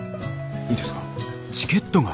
いいですか？